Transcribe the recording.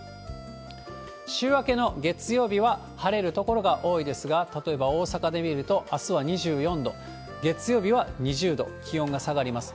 週明けの月曜日は晴れる所が多いですが、例えば大阪で見ると、あすは２４度、月曜日は２０度、気温が下がります。